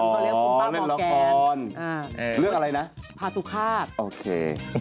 ก็เล่นคุณป้ามแกนอ่าเลือกอะไรนะภาธุฆาตโอเค